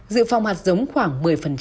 dự phòng hạt giống khoảng một mươi